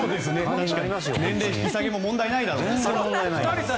年齢引き下げも問題ないだろうと。